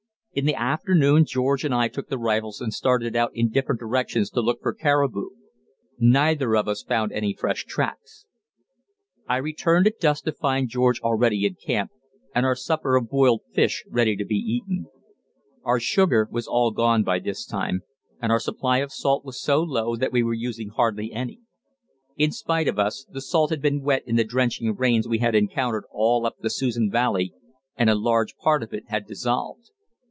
In the afternoon George and I took the rifles and started out in different directions to look for caribou. Neither of us found any fresh tracks. I returned at dusk, to find George already in camp and our supper of boiled fish ready to be eaten. Our sugar was all gone by this time, and our supply of salt was so low that we were using hardly any. In spite of us the salt had been wet in the drenching rains we had encountered all up the Susan Valley, and a large part of it had dissolved.